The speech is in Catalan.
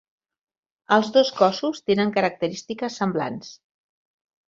Els dos cossos tenen característiques semblants.